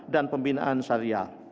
dan pembinaan syariah